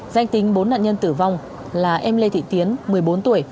danh tính bốn nạn nhân tử vong là em lê thị tiến một mươi bốn tuổi